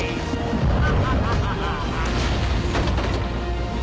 フハハハ！